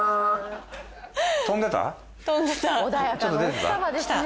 飛んでた？